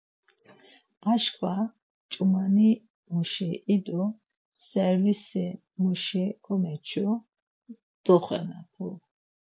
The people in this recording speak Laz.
Aşǩva ç̌umanimuşi idu, servişimuşi komeçu, dvoxenapu.